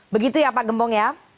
begitu ya pak gembong ya